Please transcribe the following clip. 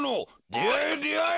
であえであえ！